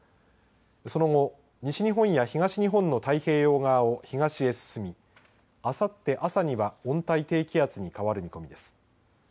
その後、西日本や東日本の太平洋側を東へ進みあさって朝には温帯低気圧に変わる見込みです。